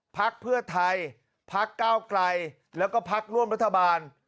ภัคเพื่อไทยภัคกรรมนะกล่าวกลัยแล้วก็ภักร่วมรัฐบาล